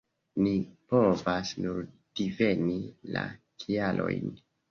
Ni povas nur diveni la kialojn.